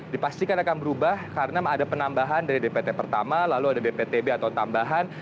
dipastikan akan berubah karena ada penambahan dari dpt pertama lalu ada dptb atau tambahan